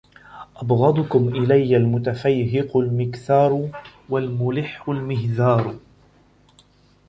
أَبْغَضُكُمْ إلَيَّ الْمُتَفَيْهِقُ الْمِكْثَارُ وَالْمُلِحُّ الْمِهْذَارُ